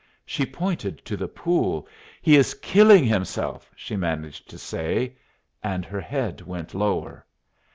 She pointed to the pool. "He is killing himself!" she managed to say, and her head went lower.